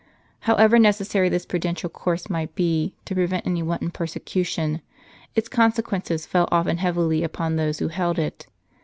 * However necessary this prudential course might be, to prevent any wanton persecution, its consequences fell often heavily upon those who held it.